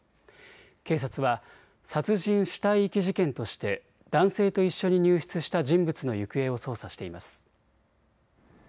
警察は殺人・死体遺棄事件として男性と一緒に入室した人物の行方を捜査しています。